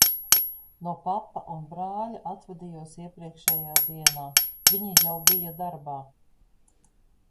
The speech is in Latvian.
No papa un brāļa atvadījos iepriekšējā dienā, viņi jau bija darbā.